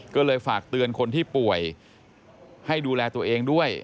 ก็เลยฝากเตือนคนที่ป่วยให้ดูแลตัวเองด้วย